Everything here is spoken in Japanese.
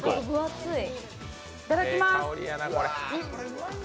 いただきまーす。